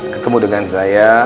ketemu dengan saya